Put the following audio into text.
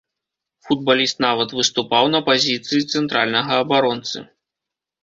Футбаліст нават выступаў на пазіцыі цэнтральнага абаронцы.